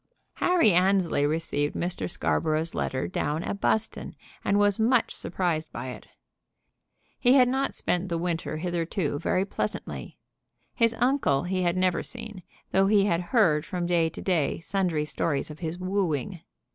Harry Annesley received Mr. Scarborough's letter down at Buston, and was much surprised by it. He had not spent the winter hitherto very pleasantly. His uncle he had never seen, though he had heard from day to day sundry stories of his wooing.